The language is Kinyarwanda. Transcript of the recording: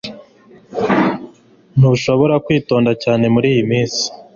ntushobora kwitonda cyane muriyi minsi